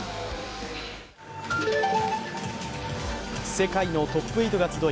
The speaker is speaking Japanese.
世界のトップ８が集い